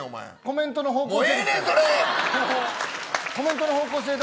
コメントの方向性が。